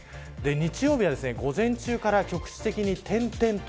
日曜日は午前中から局地的に点々と